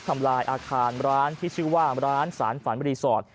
ทำลายอาคารร้านที่ชื่อว่าร้านสารฝันรีสอร์ท